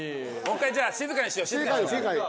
もう１回じゃあ静かにしよう静かに。